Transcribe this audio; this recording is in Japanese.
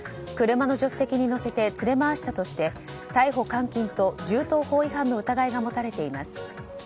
車の助手席の乗せて連れ回したとして逮捕監禁と銃刀法違反の疑いが持たれています。